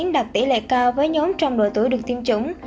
đạt tỷ lệ cao với nhóm trong độ tuổi được tiêm chủng